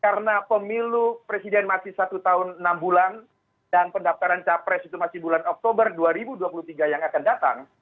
karena pemilu presiden masih satu tahun enam bulan dan pendaftaran capres itu masih bulan oktober dua ribu dua puluh tiga yang akan datang